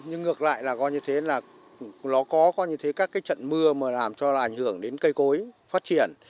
nhưng ngược lại là nó có các trận mưa làm cho ảnh hưởng đến cây cối phát triển